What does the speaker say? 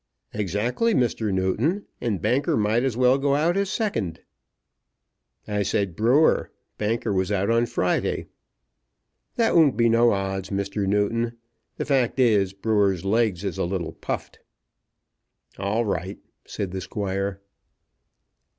"Exactly, Mr. Newton. And Banker might as well go out as second." "I said Brewer. Banker was out on Friday." "That won't be no odds, Mr. Newton. The fact is. Brewer's legs is a little puffed." "All right," said the Squire.